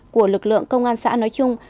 của lực lượng công an xã nói chung